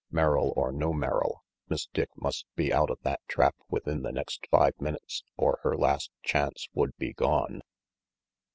Merrill or no Merrill, Miss Dick must be out of that trap within the next five minutes or her last chance would be gone.